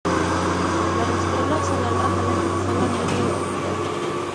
له رسول الله صلى الله عليه وسلم نه مي واورېدل